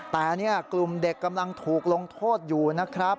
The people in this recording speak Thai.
แต่กลุ่มเด็กกำลังถูกลงโทษอยู่นะครับ